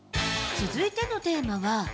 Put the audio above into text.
続いてのテーマは。